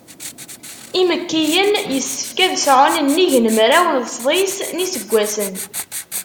Imekkiyen, yessefk ad sɛun nnig n mraw d sḍis n yiseggasen.